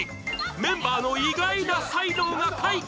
メンバーの意外な才能が開花する？